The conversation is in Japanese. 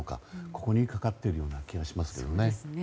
ここにかかっている気がしますよね。